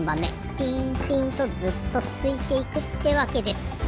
ピンピンとずっとつづいていくってわけです。